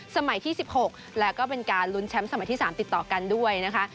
สมัยที่๑๖แล้วก็เป็นการลุ้นแชมป์สมัยที่๓ติดต่อกันด้วยนะคะ